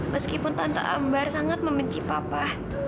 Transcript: meskipun tante ambar sangat membenci papa